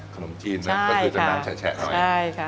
ขนมจีนนะก็คือจะน้ำแฉะหน่อยใช่ค่ะใช่ค่ะ